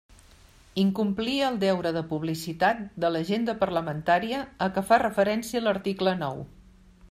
Incomplir el deure de publicitat de l'agenda parlamentària a què fa referència l'article nou.